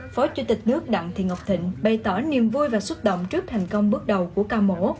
phó chủ tịch nước đặng thị ngọc thịnh bày tỏ niềm vui và xúc động trước thành công bước đầu của ca mổ